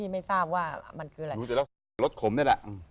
พี่ไม่ทราบว่ามันคืออะไร